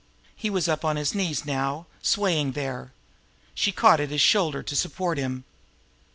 He was up on his knees now, swaying there. She caught at his shoulder to support him.